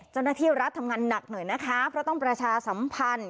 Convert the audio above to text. เจ้าหน้าที่รัฐทำงานหนักหน่อยนะคะเพราะต้องประชาสัมพันธ์